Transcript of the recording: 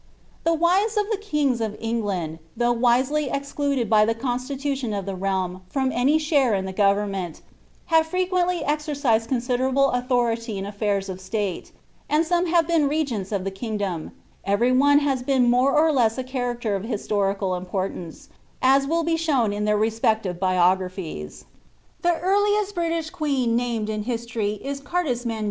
The wives of the kings of England, ttiough wisely excluded by the constitution of the realm from any share in the government, have IVe> quently exercised considerable nuthority in atiajrs of state, and some bsve tjn n regents of the kingdom; every one has been more or less a '~* trader of historical importance, aa will be shown m their respective e^raphiea. 'he earliest British queen named in history Is CarlUmandua.